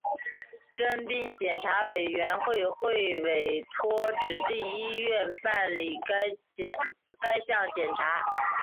征兵检查委员会会委托指定医院办理该项检查。